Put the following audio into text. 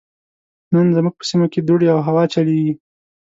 نن زموږ په سيمه کې دوړې او هوا چليږي.